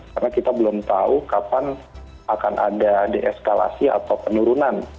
karena kita belum tahu kapan akan ada deeskalasi atau penurunan